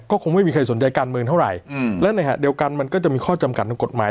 ก็คงไม่มีใครสนใจการเมืองเท่าไหร่และในขณะเดียวกันมันก็จะมีข้อจำกัดทางกฎหมาย